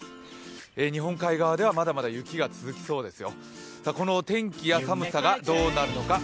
日本海側ではまだまだ雪が続きそうですよ。